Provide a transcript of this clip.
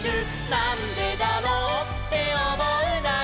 「なんでだろうっておもうなら」